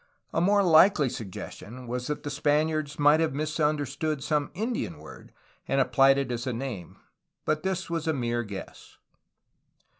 A more likely suggestion was that the Spaniards might have misunderstood some Indian word and applied it as a name, but this was a mere guess.